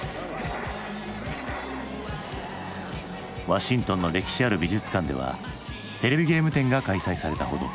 ワシントンの歴史ある美術館ではテレビゲーム展が開催されたほど。